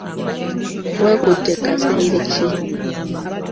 Wekutte kasenge ki?